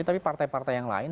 tapi partai partai yang lain